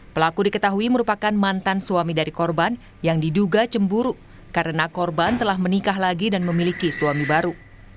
pelaku diketahui merupakan mantan suami dari korban yang diduga cemburu karena korban telah menikah lagi dan memiliki suami baru